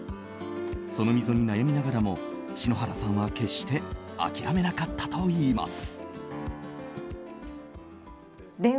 その溝に悩みながらも篠原さんは決して諦めなかったといいます。